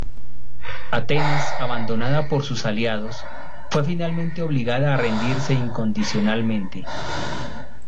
Atenas, abandonada por sus aliados, fue finalmente obligada a rendirse incondicionalmente.